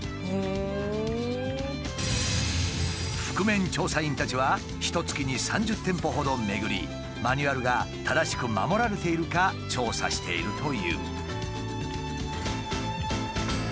覆面調査員たちはひとつきに３０店舗ほど巡りマニュアルが正しく守られているか調査しているという。